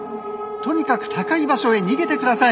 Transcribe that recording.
とにかく高い場所へ逃げてください。